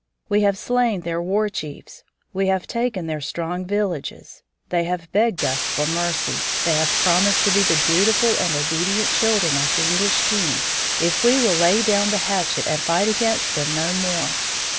We have slain their war chiefs; we have taken their strong villages. They have begged us for mercy. They have promised to be the dutiful and obedient children of the English king if we will lay down the hatchet and fight against them no more.